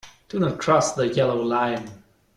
Do not cross the yellow line.